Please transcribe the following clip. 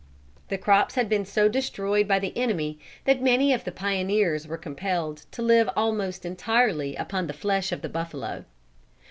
The crops had been so destroyed by the enemy that many of the pioneers were compelled to live almost entirely upon the flesh of the buffalo.